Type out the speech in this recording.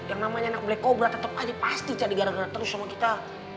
yang namanya nak blek kobra tetep aja pasti cari gara gara terus sama kita